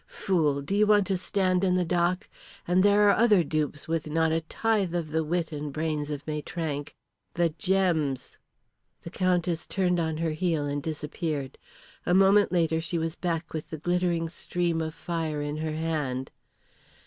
Fool, do you want to stand in the dock? And there are other dupes with not a tithe of the wit and brains of Maitrank. The gems!" The Countess turned on her heel, and disappeared. A moment later, and she was back with the glittering stream of fire in her hand.